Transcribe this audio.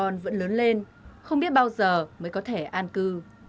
nên không biết bao giờ mới có thể an cư